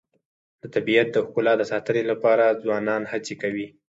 د طبیعت د ښکلا د ساتنې لپاره ځوانان هڅې کوي.